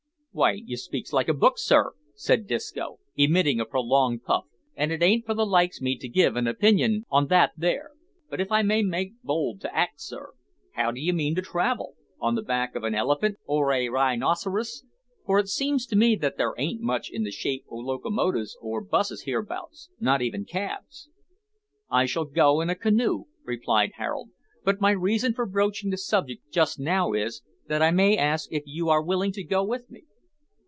"W'y, you speaks like a book, sir," said Disco, emitting a prolonged puff, "an' it ain't for the likes me to give an opinion on that there; but if I may make bold to ax, sir, how do you mean to travel on the back of a elephant or a ry noceris? for it seems to me that there ain't much in the shape o' locomotives or 'busses hereabouts not even cabs." "I shall go in a canoe," replied Harold; "but my reason for broaching the subject just now is, that I may ask if you are willing to go with me."